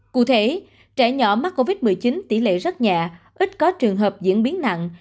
cụ thể trẻ nhỏ mắc covid một mươi chín tỷ lệ rất nhẹ ít có trường hợp diễn biến nặng